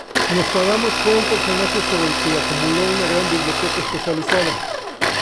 Nostradamus fue un personaje sobre el que acumuló una gran biblioteca especializada.